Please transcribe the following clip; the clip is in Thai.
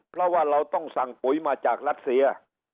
เพราะว่าเราต้องสั่งปุ๋ยมาจากรัสเซีย